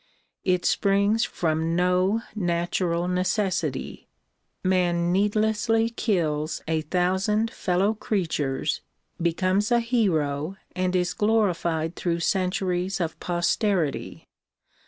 It springs from no natural necessity. Man needlessly kills a thousand fellow creatures, becomes a hero and is glorified through centuries of posterity.